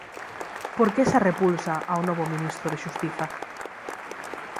Por que esa repulsa ao novo ministro de Xustiza?